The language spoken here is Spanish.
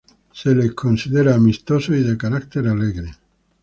Se les considera amistosos y de carácter alegre.